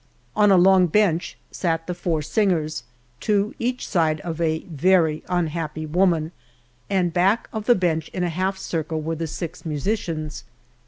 On a long bench sat the four singers, two each side of a very unhappy woman, and back of the bench in a half circle were the six musicians.